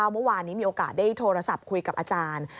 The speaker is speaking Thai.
เมื่อวานนี้มีโอกาสได้โทรศัพท์คุยกับอาจารย์